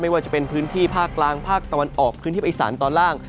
ว่าจะเป็นพื้นที่ภาคกลางภาคตะวันออกพื้นที่ไปอีสานตอนล่าง